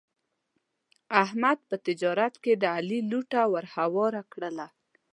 احمد په تجارت کې د علي لوټه ور هواره کړله.